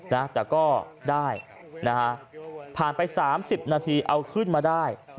แต่ก็ได้นะครับผ่านไป๓๐นาทีเอาขึ้นมาได้